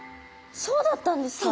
そうだったんですか？